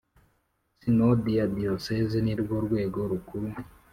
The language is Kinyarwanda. Sinodi ya Diyoseze nirwo rwego rukuru